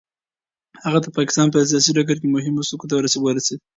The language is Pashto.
هغه د پاکستان په سیاسي ډګر کې مهمو څوکیو ته ورسېد.